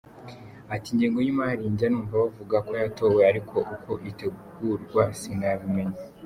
Ati “Ingengo y’imari njya numva bavuga ko yatowe ariko uko itegurwa sinabimenya.